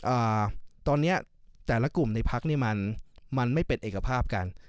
อ่าตอนเนี้ยแต่ละกลุ่มในพักเนี้ยมันมันไม่เป็นเอกภาพกัน